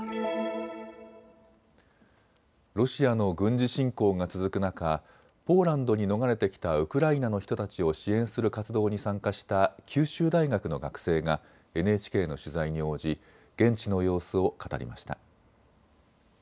ロシアの軍事侵攻が続く中、ポーランドに逃れてきたウクライナの人たちを支援する活動に参加した九州大学の学生がＮＨＫの取材に応じ現地の様子を語りました。